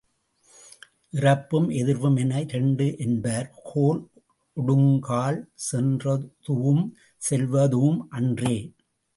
இறப்பும் எதிர்வும் என இரண்டு என்பார், கோல் ஓடுங்கால் சென்றதூஉம் செல்வதூஉம் அன்றே?